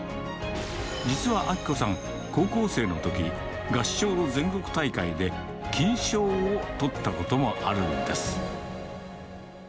実は明子さん、高校生のとき、合唱の全国大会で金賞をとったこともあるんです。